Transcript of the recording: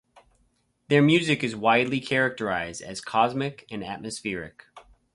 Their music is widely characterized as cosmic and atmospheric.